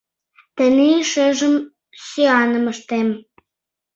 Тений шыжым сӱаным ыштем.